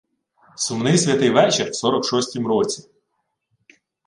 Сумний святий вечір в сорок шостім році.